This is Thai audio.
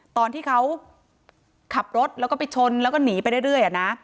ตอนที่เขาขับรถแล้วก็ไปชนแล้วก็หนีไปเรื่อย